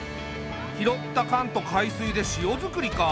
拾った缶と海水で塩づくりか。